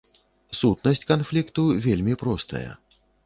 Сутнасць канфлікту вельмі простая.